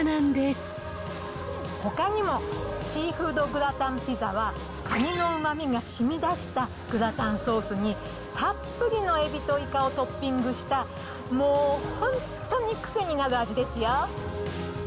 ほかにも、シーフードグラタンピザはカニのうまみがしみ出したグラタンソースに、たっぷりのエビとイカをトッピングした、もう本当に癖になる味ですよ。